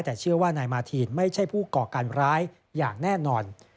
แต่เชื่อว่านายมาทีนไม่ใช่ผู้ก่อการร้ายอย่างแน่นอน